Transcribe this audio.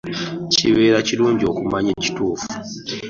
Kibeera kirungi okumanya ekituufu.